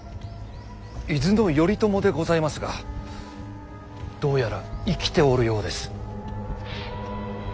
伊豆の頼朝でございますがどうやら生きておるようです。